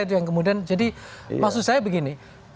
itu yang kemudian jadi maksud saya begini